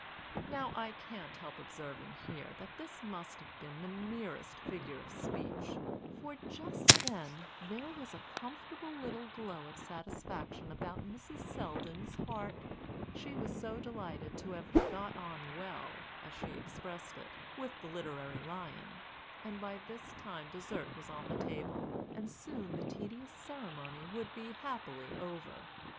Now I can't help observing here that this must have been the merest figure of speech, for just then there was a comfortable little glow of satisfaction about Mrs. Selldon's heart. She was so delighted to have "got on well," as she expressed it, with the literary lion, and by this time dessert was on the table, and soon the tedious ceremony would be happily over.